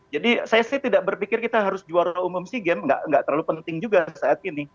jadi saya sih tidak berpikir kita harus juara umum si game nggak terlalu penting juga saat ini